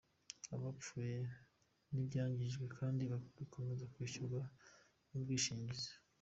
Abapfuye n’ibyangijwe kandi bikomeza kwishyurwa n’ubwishingizi.